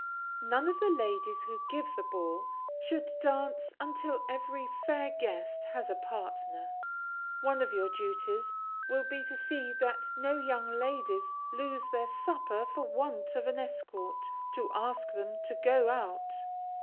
None of the ladies who give the ball should dance until every fair guest has a partner. One of your duties will be to see that no young ladies lose their supper for want of an escort to ask them to go out.